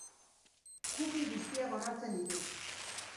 Cookie guztiak onartzen ditut.